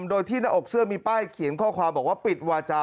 โดยที่หน้าอกเสื้อมีป้ายเขียนข้อความบอกว่าปิดวาจา